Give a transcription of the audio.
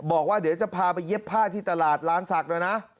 บอกว่าเดี๋ยวจะพาไปเย็บผ้าที่ตลาดร้านศักดิ์ด้วยนะ